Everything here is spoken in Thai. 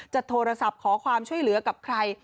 โทรศัพท์ขอความช่วยเหลือกับใคร